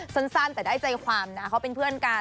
สั้นแต่ได้ใจความนะเขาเป็นเพื่อนกัน